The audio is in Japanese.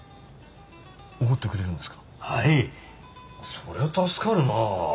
それは助かるな。